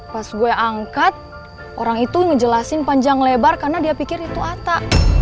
pas gue angkat orang itu ngejelasin panjang lebar karena dia pikir itu ata